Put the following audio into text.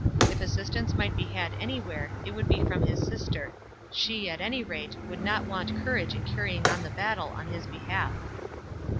If assistance might be had anywhere, it would be from his sister; she, at any rate, would not want courage in carrying on the battle on his behalf.